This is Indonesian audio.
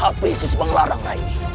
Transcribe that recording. habisi sembang larang raih